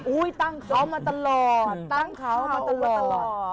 ตั้งเขามาตลอดตั้งเขามาตลอด